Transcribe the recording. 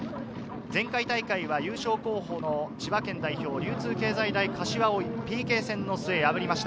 前回大会は優勝候補の千葉県代表・流通経済大柏をＰＫ戦の末、破りました。